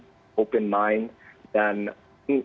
memiliki percakapan yang terbuka